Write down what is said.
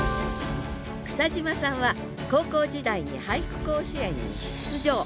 草島さんは高校時代に俳句甲子園に出場。